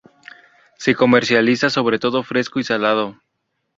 Se comercializa sobre todo fresco y salado.